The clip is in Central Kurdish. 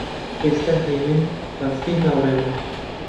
ئێستا هێمن باشترین هاوڕێمە.